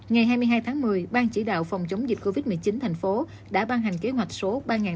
ngày hai mươi hai tháng một mươi ban chỉ đạo phòng chống dịch covid một mươi chín tp hcm đã ban hành kế hoạch số ba nghìn năm trăm hai mươi hai